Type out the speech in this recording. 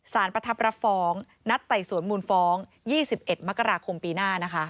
สารปธปฟองนัดไตสวนหมุนฟ้อง๒๑มกราคมปีหน้านะคะ